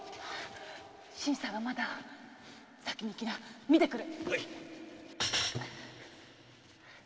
新さんがまだ先に行きな見てくる。